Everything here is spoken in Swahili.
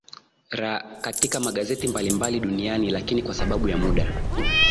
ra katika magazeti ya mbalimbali duniani lakini kwa sababu ya muda